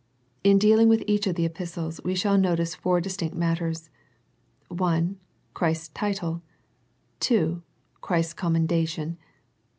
In dealing with each of the epistles, we shall notice four distinct matters, ^ i. Christ's title. — ii. Christ's commendation.